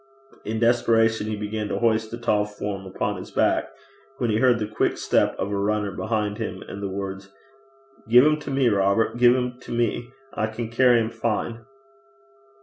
In desperation he began to hoist the tall form upon his back, when he heard the quick step of a runner behind him and the words 'Gie 'im to me, Robert; gie 'im to me. I can carry 'im fine.'